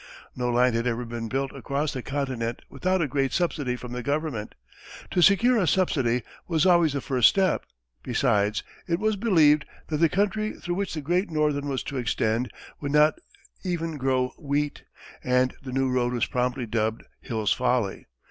No line had ever been built across the continent without a great subsidy from the government to secure a subsidy was always the first step; besides, it was believed that the country through which the Great Northern was to extend would not even grow wheat, and the new road was promptly dubbed "Hill's Folly."